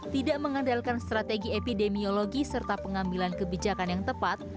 tidak mengandalkan strategi epidemiologi serta pengambilan kebijakan yang tepat